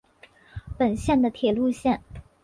本线的铁路线。